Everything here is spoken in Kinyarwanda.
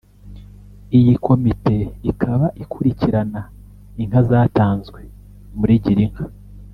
Iyi komite ikaba ikurikirana inka zatanzwe muri Girinka